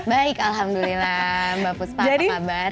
baik alhamdulillah mbak puspa apa kabar